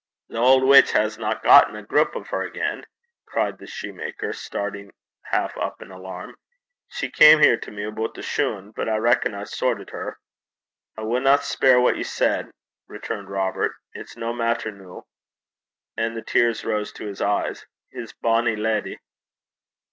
'The auld witch hasna gotten a grup o' her again?' cried the shoemaker, starting half up in alarm. 'She cam here to me aboot the shune, but I reckon I sortit her!' 'I winna speir what ye said,' returned Robert. 'It's no maitter noo.' And the tears rose to his eyes. His bonny lady!